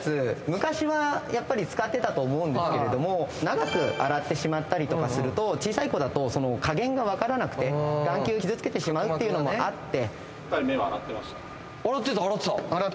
昔は使ってたと思うんですけれども長く洗ってしまったりとかすると小さい子だと加減が分からなくて眼球傷つけてしまうってのもあって。